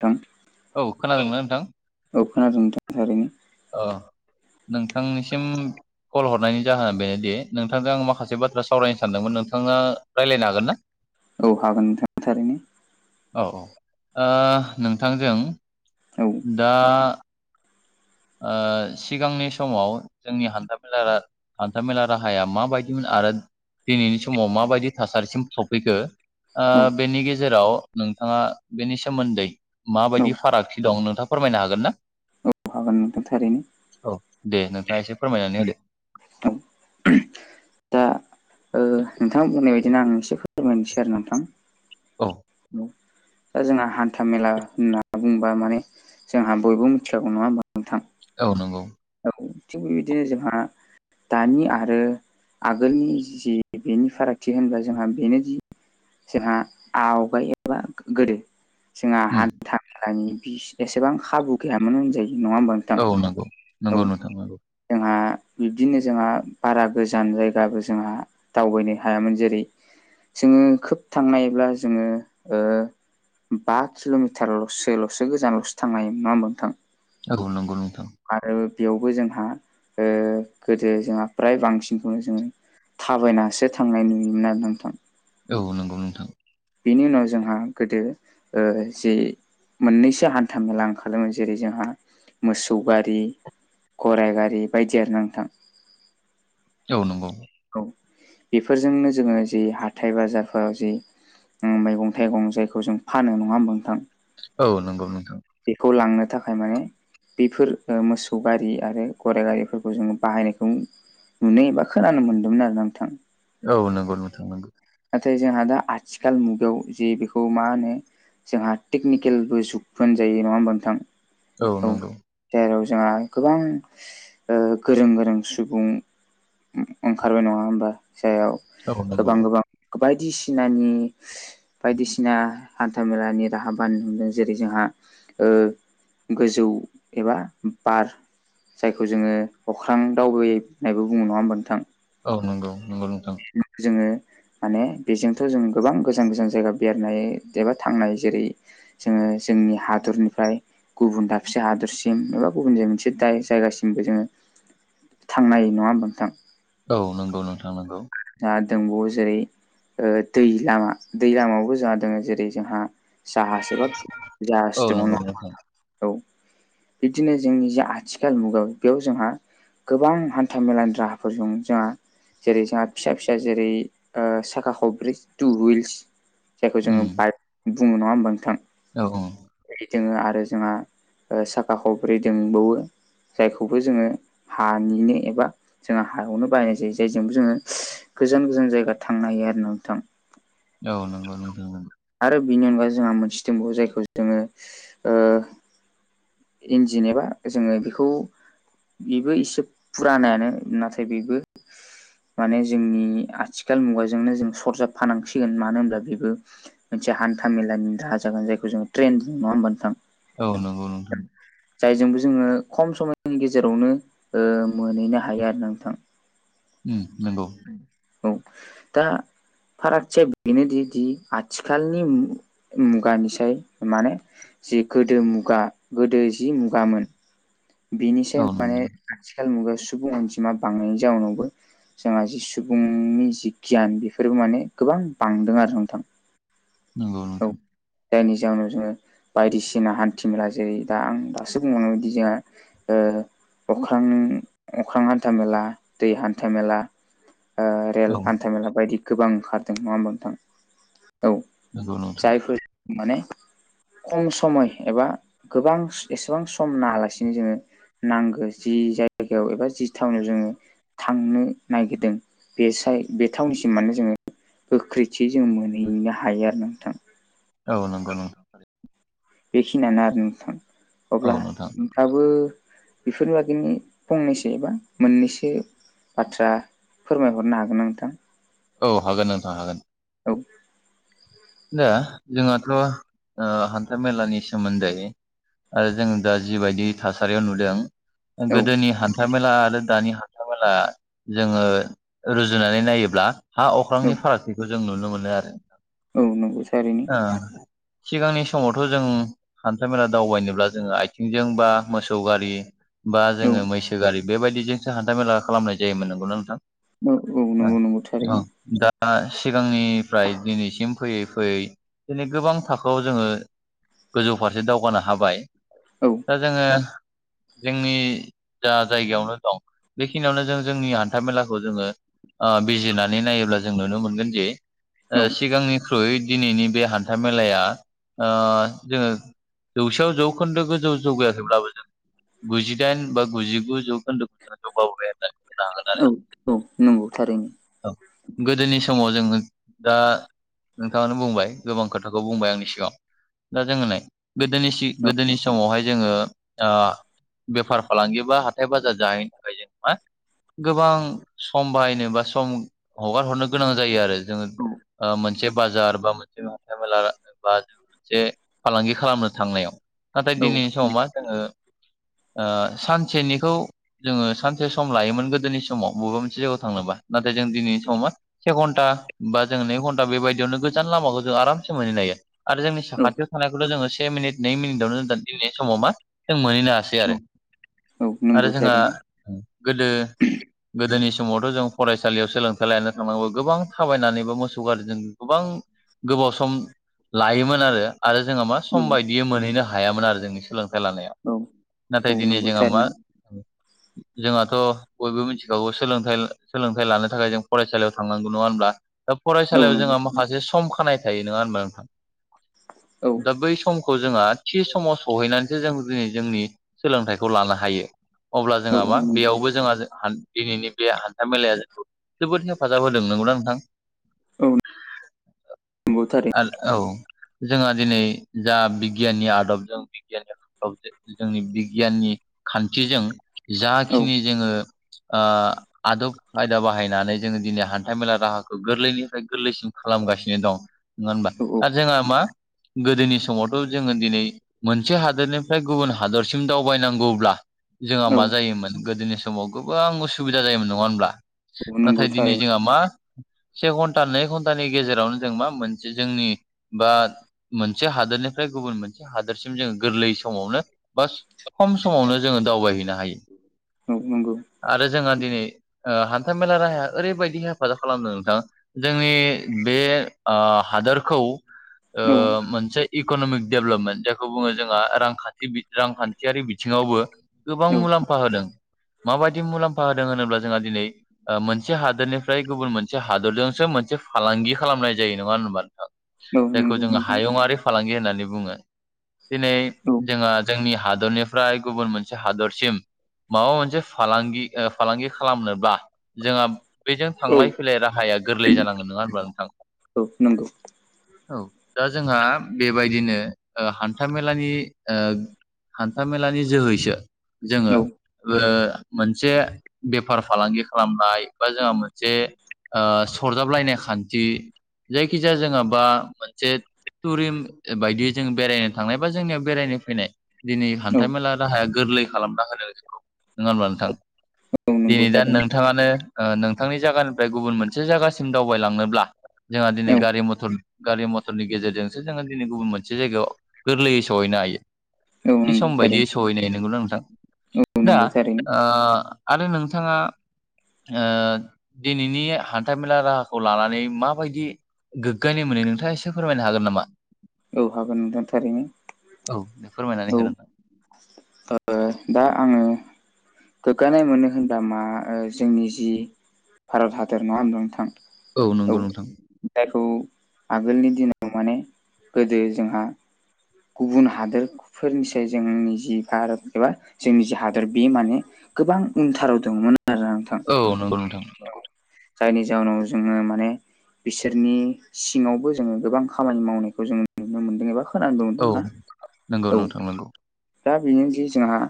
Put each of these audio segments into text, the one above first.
थां औ खोनादोंना नोंथां औ खोनादों नोंथां थारैनो अ नोंथांनिसिम कल हरनायनि जाहोना बेनोदि नोंथांजों आं माखासे बाथ्रा सावरायनो सानदोंमोन नोंथाङा रायलायनो हागोन ना [inaudible] औ हागोन नोंथां थारैनो औ-औ दा नोंथांजों औ दा ओ सिगांनि समाव जोंनि हान्थामेला रा हान्थामेला राहाया माबायदिमोन आरो दिनैनि समाव माबायदि थासारिसिम सफैखो ओ बेनि गेजेराव नोंथाङा बेनि सोमोन्दै औ माबायदि फारागथि दं नोंथाङा फोरमायनो हागोन ना औ हागोन नोंथां थारैनो औ दे नोंथाङा एसे फोरमायनानै होदो। औ दा ओ नोंथाङा बुंनाय बायदिनो आं एसे फोरमायनोसै आरो नोंथां। औ औ दा जोंहा हान्था मेला होनना बुंबा माने जोंहा बयबो मिथिखागौ नङा होनबा नोंथां। औ नंगौ औ थिग बेबायदिनो जोंहा दानि आरो आगोलनि जि बेनि फारागथि होनबा जोंहा बेनो जि जोंहा आवगाय एबा गोदो जोंहा उम हान्था मेलानि एसेबां खाबु गैयामोन होनजायो नङा होमबानो औ नंगौ नंगौ नोंथां जोंहा बिब्दिनो जोंहा बारा गोजान जायगाबो जोंहा दावबायनो हायामोन जेरै जोङो खोब थांनायब्ला जोङो बा किल'मिटारल'सोल'सो गोजानल'सो थांनो हायो नङा होमबा नोंथां औ नंगौ नोंथां। आरो बेयावबो जोंहा ओ गोदो जोंहा फ्राय बांसिनखौनो जोङो थाबायनासो थांनाय नुयोमोन आरो नोंथां औ नंगौ नोंथां बेनि उनाव जोंहा गोदो ओ जि मोननैसो हान्था मेला ओंखारो जेरै जोंहा मोसौ गारि गराइ गारि बायदियानो नोंथां। औ नंगौ औ बेफोरजोंनो जोङो जि हाथथाय बाजारफोराव जि मैगं थाइगं जायखौ जों फानो नङा होमबा‌ नोंथां औ नंगौ नोंथां। बेखौ लांनो थाखाय माने बेफोर मोसौ गारि आरो गराइ गारिफोरखौ जोङो बाहायनायखौ नुनो एबा खोनानो मोन्दोंमोन आरो नोंथां। औ नंगौ नोंथां नंगौ नाथाय जोंहा दा आथिखाल मुगायाव जि बेखौ मा होनो जोंहा टेकनिकेलबो जुग होनजायो नङा होमबा नोंथां। औ नंगौ जेराव जोंहा गोबां ओ गोरों गोरों सुबुं ओंखारबाय नङा होमबा जायाव औ नंगौ गोबां गोबां बायदिसिनानि बायदिसिना हान्था मेलानि राहा बा नुनो जेरै जोंहा ओ गोजौ एबा बार जायखौ जोङो अख्रां दावबायनायबो बुङो नङा होमबा नोंथां। औ नंगौ नंगौ नोंथां जोङो माने बेजोंथ जों गोबां गोजान गोजान जायगा बेरनाय एबा थांनाय जेरै जोङो जोंनि हादरनिफ्राय गुबुन दाबसे हादरसिम एबा गुबुनाय मोनसे दा जायगासिमबो जोङो थांना हायो नङा होमबा नोंथां औ नंगौ नोंथां नंगौ। आरो दंबावो जेरै ओ दै लामा दै लामायावबो जोंहा दों जेरै जोंहा जाहाज एबा औ जाहाज दङ नंगौ नङा होमबा नोंथां औ बिदिनो जोंनि जे आथिखाल मुगायाव बेयाव जोंहा गोबां हान्था मेलानि राहाफोरजों जोंहा जेरै जोंहा फिसा फिसा जेरै ओ साखा खबब्रै टु हुइल्स जायखौ जोङो उम बाइक बुङो नङा होमबा नोंथां औ औ बेबायदिऩ आरो जोंहा साखा खबब्रै दंबावो जायखौबो जोङो हानिनो एबा जों हायावनो बाहायनाय जायो जायजोंबो जोङो गोजान गोजान जायगा थांनो हायो आरो ना नोंथां औ नंगौ नोंथां नोंगौ आरो बिनि अनगा जोंहा मोनसे दंबावो जायखौ जोङो ओ इन्जिन एबा जोङो बेखौ बेबो एसे फुरानायानो नाथाय बेबो माने जोंनि आथिखाल मुगाजोंनो जों सरजाबफानांसिगोन मानो होनब्ला बेबो मोनसे हान्था मेलानि राहा जागोन जायखौ जों ट्रेन्ड बुङो नङा होनबा नोंथां औ नंगौ नोंथां जायजोंबो जोङो खम समनि गेजेरावनो ओ मोनहैनो हायो आरोना नोंथां उम नंगौ औ दा फारागथिया बेनोदि दि आथिखालनि मुगानिसाय माने जि गोदो मुगा गोदो जि मुगामोन औ बिनिसाय नंगौ माने आथिखाल मुगायाव सुबुं अनजिमा बांनायनि जाउनावबो जोंहा जि सुबुंनि जि गियान बेफोरबो माने गोबां बांदों आरो नोंथां नंगौ औ नोंथां जायनि जाहोनाव जोङो बायदिसिना हान्थि मेला जेरै दा आं दासो बुंलांनाय बायदि जोंहा ओ अख्रां अख्रां हान्था मेला दै हान्था मेला ओ रेल औ हान्थामेला बायदि गोबां ओंखारदों नङा होमबा नोंथां औ नंगौ नोंथां जायफोर माने खम समय एबा गोबां एसेबां सम नाङालासिनो जोङो नांगौ जि जायगायाव एबा जि थावनाव जोङो थांनो नागिरदों बे साइ बे थावनिसि माने जोङो गोख्रैथि जों मोनहैनो हायो आरो नोंथां औ नंगौ नों बेखिनियानो आरो नोंथां औ अब्ला नोंथां नोंथाङाबो बेफोरबायदिनो फंनैसो एबा मोननैसो बाथ्रा फोरमायहरनो हागोन ना नोंथां औ हागोन नोंथां हागोन औ दा जोंहाथ' ओ हान्था मेलानि सोमोन्दै ओ जों दा जिबायदि थासारियाव नुदों औ गोदोनि हा थामेला आरो दानि हानथा मेला जोङो रुजुनानै नायोब्ला हा औ अख्रांनि फारागथिखौ जों नुनो मोनो आरो औ नंगौ थारैनो ओ सिगांनि समावथ' जों हान्था मेला दावबायनोब्ला जोङो आइथिंजों बा मोसौ गारि बा औ जोङो मैसो गारि बेबायदिजोंसो हान्था मेला खालामनाय जायोमोन नंगौना नोंथां औ औ नंगौ नंगौ औ थारैनो दा सिगांनिफ्राय दिनैसिम फैयै फैयै दिनै गोबां थाखोआव जोङो गोजौ फारसे दावगानो हाबाय औ दा जोङो जोंनि जा जायगायावनो दं बेखिनियावनो जों जोंनि हान्था मेलाखौ जोङो ओ बिजिरनानै नायोब्ला जों नुनो मोनगोन जे औ सिगांनि ख्रुय दिनैनि बे हान्था मेलाया ओ जोङो जौसेयाव जौखोन्दो गोजौ जौगायाखैब्लाबो जों गुजिदाइन बा गुजिगु जौखोन्दोखौ जोङो जौगाबोबाय आरो ना औ औ नंगौ थारैनो [unintelligible] गोदोनि समाव जोङो दा नोंथाङानो बुंबाय गोबां खोथाखौ बुंबाय आंनि सिगाङाव दा जोङो नाय गोदोनि सि औ गोदोनि समावहाय जोङो आ बेफार फालांगि बा हाथाय बाजार जाहैनो थाखाय जों मा गोबां सम बाहायनो बा सम हगार हरनो गोनां जायो आरो जोङो ओ मोन से बाजार बा मोनसे हान्था मेला बा जों मोनसे फालांगि खालामनो थांनायाव नाथाय औ दिनैनि समाव मा जोङो ओ सानसेनिखौ जोङो सानसे सम लायोमोन गोदोनि समाव बबेबा मोनसे जायगायाव थांनोबा नाथाय जों दिनैनि समाव मा से घन्टा बा जों नै घन बेबायदियावनो गोजान लामाखौ जों आरामसे मोनहैनो हायो आरो जोंनि औ साखाथियाव थानायखौथ' जोङो से मिनिट नै मिनिटआवनो जों दा दिनैनि समाव मा जों मोनहैनो हासै दि औ आरो औ आरो नंगौ जोंहा थारैनो गोदो गोदोनि समावथ' जों फरायसालियाव सोलोंथाइ लानो थांनांगौ गोबां थाबायनानैबो मोसौ सौ गारिजों गोबां गोबाव सम लायोमोन आरो आरो जोंहा मा सम बाय बियो मोनहैनो हायामोन आरो जोंनि सोलोंथाइ लानाया औ नाथाय औ दिनै नंगौ जोंहा मा थारैनो जोंहाथ' बयबो मिथिखागौ सोलोंथाइ सोलोंथाइ लानो थाखाय जों फरायसालियाव थांनांगौ नङा होनब्ला दा औ फरायसालियाव नंगौ जोंहा माखासे सम खानाय थायो नङा होनबा नोंथां औ दा बै सम खौ जोंहा थि समाव सहैनानैसो जों दिनै जोंनि सोलोंथाइखौ लानो हायो अब्ला औ जोंहा मा बेयावबो जोंहा हान दिनैनि बे हान्था मेलाया जोंखौ जोबोद हेफाजाब होदों नंगौ ना नोंथां औ नोंगौ थारै औ जोंहा दिनै जा बिगियाननि आदबजों [unintelligible] जोंनि बिगियाननि खान्थिजों औ जाखिनि जोङो ओ आदब खायदा बाहायनानै जोङो दिनै हान्था मेला राहाखौ गोरलैनिफ्राय गोरलैसिन खालामगासिनो दं नङा होनबा औ औ जोंहा मा गोदोनि समावथ' जोङो दिनै मोनसे हादोरनिफ्राय गुबुन हादरसिम दावबायनांगौब्ला जोंहा औ मा जायोमोन गोदोनि समाव गोबां उसुबिदा जायोमोन नङा होनब्ला औ नंगौ नाथाय दिनै थारैनो जोंहा मा से घन्टा नै घन्टानि गेजेरावनो जों मा मोनसे जोंनि बा मोनसे हादोरनिफ्राय गुबुन मोनसे हादोरसिम जोङो गोरलै समावनो बा खम समावनो जोङो दावबायहैनो हायो औ नंगौ आरो जोंहा दिनै हान्था मेला राहाया ओरैबायदि हेफाजाब खालामदों नों थां जोंनि बे हादोरखौ ओ औ मोनसे इक'न'मिक डेभलपमेन्ट जायखौ बुङो जोंहा रांखान्थि रांखान्थियारि बिथिङावबो गोबां औ मुलाम्फा होदों माबायदि मुलाम्फा होदों होनोब्ला जोंहा दिनै मोनसे हादोरनिफ्राय गुबुन मोनसे मोनसे हादरजोंसो मोनसे फालांगि खालामनाय जायो नङा होनबा नोंथां औ जायखौ नंगौ जोङो नोंथां हायुङारि फालांगि होननानै बुङो दिनै औ जोंहा जोंनि हादरनिफ्राय गुबुन मोनसे हादरसिम माबा मोनसे फालांगि फालांगि खालामनोब्ला जोंहा बेजों औ थांलाय फैलाय राहाया गोरलै जानांगोन नङा होनबा नोंथां। औ नंगौ औ दा जोंहा बेबायदिनो हान्थामेलानि ओ हान्थामेलानि जोहैसो जोङो औ मोनसे बेफार फालांगि खालामनाय बा जोंहा मोनसे ओ सरजाबलायनाय खान्थि जायखिजाया जोङो बा मोनसे टुरिम बायदियै जों बेरायनो थांनाय बा जोंनियाव बेरायनो फैनाय दिनै औ हान्था मेला राहाया गोरलै खालामना होनो जोंखौ नङा होमब्ला नोंथां। औ नंगौ दिनै दा थारैनो नोंथाङानो नोंथांनि जागानि ओमफ्राय गुबुन मोनसे जायगासिम दावबायलांनोब्ला जोंहा दिनै औ गारि मथर गारि मथरनि गेजेरजोंसो जोङो दिनै गुबुन मोनसे जायगायाव गोरलैयै सहैनो हायो। औ थि नंगौ सम बायदियै थारैनो सहैनाय नंगौना नोंथां औ दा नंगौ थारैनो ओ आरो नोंथाङा ओ दिनैनि हान्था मेला राहाखौ लानानै माबायदि गोग्गानाय मोनो नोंथाङा एसे फोरमायनो हागोन नामा? औ हागोन नोंथां थारैनो औ फोरमायनानै हो औ नोंथां ओ दा आङो गोग्गानाय मोनो होनबा मा जोंनि जि भारत हादर नङा होनबा नोंथां नंगौ औ नोंथां जायखौ आगोलनि दिनाव माने गोदो जोंहा गुबुन हादोरफोरनिसाय जोंनि जि भारत एबा जोंनि जि हादर बे माने गोबां उनथाराव दंमोन आरो नोंथां। औ नंगौ नोंथां नंगौ जायनि जाहोनाव जोङो माने बिसोरनि सिङावबो जोङो गोबां खामानि मावनायखौ जोङो नुनो मोनदों एबा खोनानोबो औ मोनदोंना नंगौ औ नोंथां नंगौ दा बेनोदि जोंहा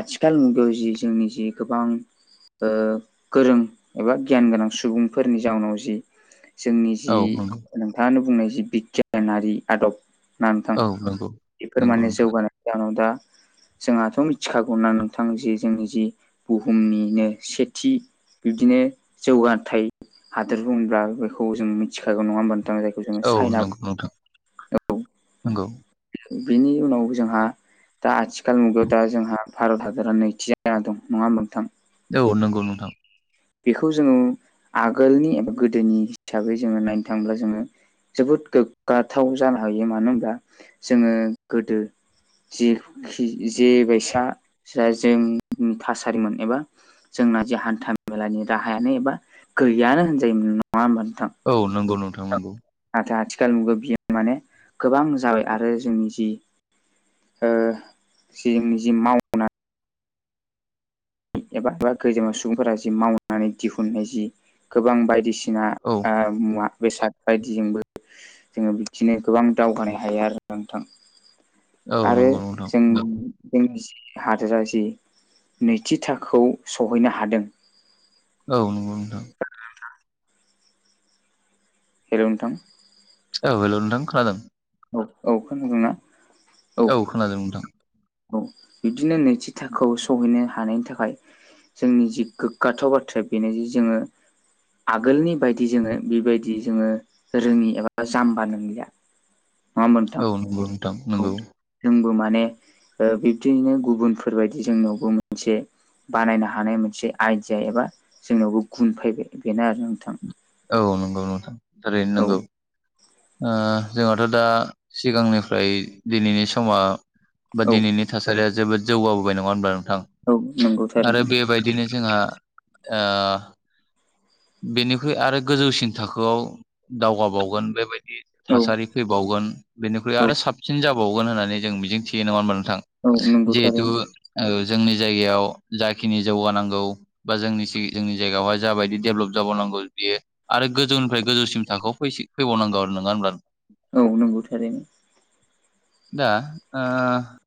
आथिखाल मुगायाव जि जोंनि जि गोबां गोरों एबा गियान गोनां सुबुंफोरनि जाउनाव जि जोंनि औ जि नंगौ नोंथाङानो बुंनाय जि बिगियानारि आदब ना नोंथां औ नंगौ बेफोर नंगौ माने नोंथां जौगानाय जानाव दा जोंहाथ' मिथिखागौना नोंथां जि जोंनि जि बुहुमनिनो सेथि बिब्दिनो जौगाथाय हादोर बुङोब्ला बेखौ जों मिथिखागौ नङा होमबा नोंथां जायखौ जोङो औ चाइना नंगौ नोंथां नंगौ। बेनि उनाव जोंहा दा आथिखाल मुगायाव दा जोंहा भारत हादरा नैथि जाना दं नङा होनबा नोंथां औ नंगौ नोंथां बेखौ जोङो आगोलनि एबा गोदोनि हिसाबै जोङो नायनो थाङोब्ला जोङो जोबोद गोग्गाथाव जानो हायो मानो होनब्ला जोङो गोदो जि जे बायसा जों थासारिमोन एबा जोंना जे हान्था मेलानि राहायानो एबा गैयानो होनजायोमोन नङा होमबा नोंथां। औ नंगौ नोंथां नंगौ नाथाय आथिखाल मुगायाव बियो माने गोबां जाबाय आरो जोंनि जि ओ जोंनि जि माव एबा गोदोनि [unintelligible] सुबुंफोरा जि मावनानै दिहुनाय जि गोबां बायदिसिना औ आ मुवा बेसाद बायदिजोंबो जोङो बिदिनो गोबां दावगानो हायो आरो नोंथां। औ आरो नंगौ नोंथां जों नंगौ जोंनि हादोरा जि नैथि थाखोखौ सहैनो हादों औ नंगौ नोंथां। ओ नोंथां [unintelligible] हेल' नोंथां औ हेल' नोंथां खोनादों औ औ खोनदों ना औ खोनादों नोंथां औ बिदिनो नैथि थाखोआव सहैनो हानायनि थाखाय जोंनि जि गोग्गाथाव बाथ्राया बेनो जि जोङो आगोलनि बायदि जोङो बेबायदि जोङो रोङि एबा जाम्बा नंलिया नङा होमबा नोंथां औ नंगौ नोंथां औ नंगौ जोंबो माने ओ बिदिनो गुबुनफोरबायदि जोंनावबो मोनसे बानायनो हानाय मोनसे आइडिया एबा जोंनावबो गुन फैबाय बेनो आरो नोंथां औ नंगौ नोंथां थारैनो औ नंगौ जोंहाथ' दा सिगांनिफ्राय दिनैनि समा बा औ दिनैनि थासारिया जोबोद जौगाबोबाय नङा होनबा नोंथां औ नंगौ आरो थारैनो बेबायदिनो जोंहा ओ बेनिख्रुइ आरो गोजौसिन थाखोआव दावगाबावगोन बेबायदि औ थासारि फैबावगोन बेनिख्रुइ औ आरो साबसिन जाबावगोन होननानै जों मिजिं थियो नङा होमबा नोंथां औ नंगौ जिहेथु थारैनो ओ जोंनि जायगायाव जाखिनि जौगानांगौ बा जोंनि जोंनि जायगायावहाय जाबायदि डेभेलप जाबावनांगौ बियो आरो गोजौनिफ्राय गोजौसिम थाखोआव फैबावनांगौ आरो नङा होनब्ला औ नंगौ थारैनो दा आ